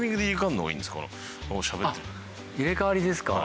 あっ入れかわりですか？